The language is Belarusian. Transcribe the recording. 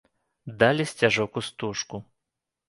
Далі сцяжок і стужку.